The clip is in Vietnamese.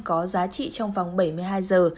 có giá trị trong vòng bảy mươi hai giờ